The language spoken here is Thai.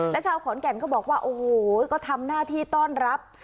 แล้วชาวขอนแก่นก็บอกว่าโอ้โหก็ทำหน้าที่ต้อนรับ